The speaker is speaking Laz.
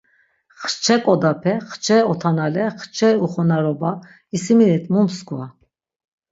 Xçe ǩodape, xçe otanale, xçe uxonaroba, isiminit mu mskva.